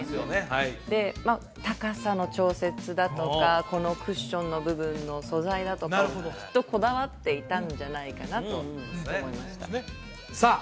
はいで高さの調節だとかこのクッションの部分の素材だとかもきっとこだわっていたんじゃないかなと思いましたさあ